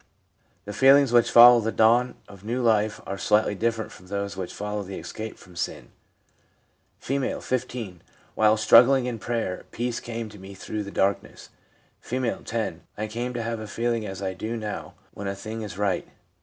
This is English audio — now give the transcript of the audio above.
The feelings which follow the dawn of new life are slightly different from those which follow the escape from sin. R, 15. ' While struggling in prayer, peace came to me through the darkness.' R, 10. 'I came to have a feeling as I do now when a thing is right.'